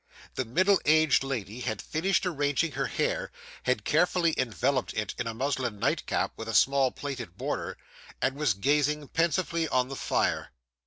The middle aged lady had finished arranging her hair; had carefully enveloped it in a muslin nightcap with a small plaited border; and was gazing pensively on the fire.